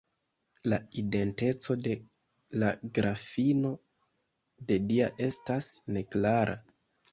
La identeco de la Grafino de Dia estas neklara.